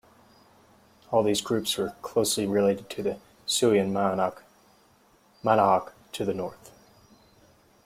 All these groups were closely related with the Siouan Manahoac to the north.